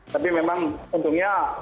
tapi memang untungnya